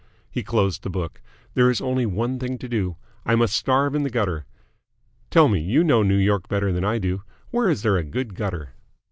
He closed the book. "There is only one thing to do. I must starve in the gutter. Tell me you know New York better than I do where is there a good gutter?"